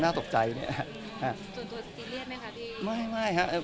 นักศึกษาเราเหมือนแบบ